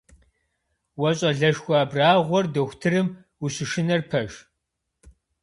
Уэ щӏалэшхуэ абрагъуэр дохутырым ущышынэр пэж?